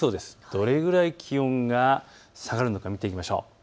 どれぐらい気温が下がるのか見ていきましょう。